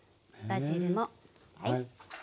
バジルもはい。